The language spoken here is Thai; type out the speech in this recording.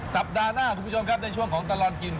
สัปดาห์หน้าคุณผู้ชมครับในช่วงของตลอดกิน